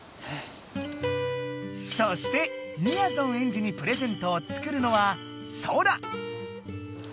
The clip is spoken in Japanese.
そしてみやぞんエンジにプレゼントを作るのはソラ。